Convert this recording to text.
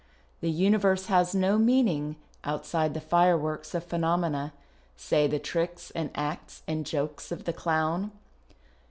" The universe has no meaning outside the fireworks of phenomena — say the tricks and acts and jokes of the clown.